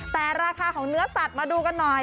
แต่ราคาของเนื้อสัตว์มาดูกันหน่อย